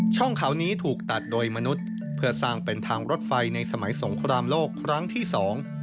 ช่องเขานี้ถูกตัดโดยมนุษย์เพื่อสร้างเป็นทางรถไฟในสมัยสงครามโลกครั้งที่สอง